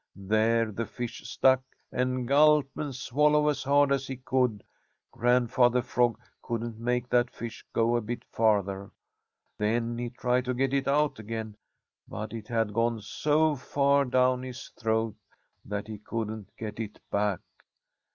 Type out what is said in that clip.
There the fish stuck, and gulp and swallow as hard as he could, Grandfather Frog couldn't make that fish go a bit farther. Then he tried to get it out again, but it had gone so far down his throat that he couldn't get it back.